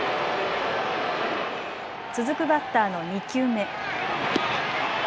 続くバッターの２球目。